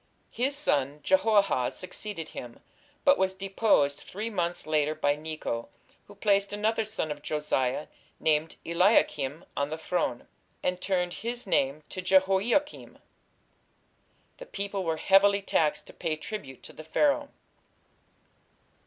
" His son, Jehoahaz, succeeded him, but was deposed three months later by Necho, who placed another son of Josiah, named Eliakim, on the throne, "and turned his name to Jehoiakim". The people were heavily taxed to pay tribute to the Pharaoh.